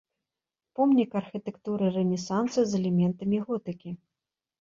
Помнік архітэктуры рэнесансу з элементамі готыкі.